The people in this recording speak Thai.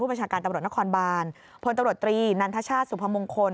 ประชาการตำรวจนครบานพลตำรวจตรีนันทชาติสุพมงคล